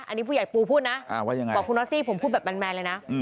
อันนี้ผู้ใหญ่ปูพูดนะว่ายังไงบอกคุณนอสซี่ผมพูดแบบแมนเลยนะ